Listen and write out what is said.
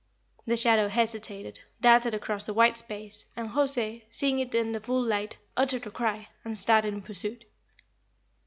The shadow hesitated, darted across the white space, and José, seeing it in the full light, uttered a cry, and started in pursuit.